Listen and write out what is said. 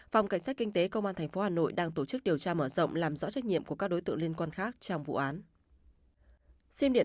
phòng cảnh sát kinh tế công an tp hà nội đang tổ chức điều tra mở rộng làm rõ trách nhiệm của các đối tượng liên quan khác trong vụ án